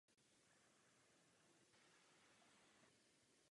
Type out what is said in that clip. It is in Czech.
Žaludek psa je jednokomorový a jednoduchý.